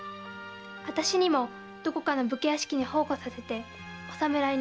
あたしにもどこかの武家屋敷に奉公させてお侍に嫁がせるって。